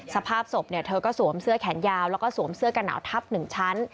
สภาพศพเธอก็สวมเสื้อแขนยาวแล้วก็สวมเสื้อกระหนาวทับ๑ชั้น